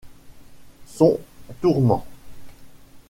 Son tourment.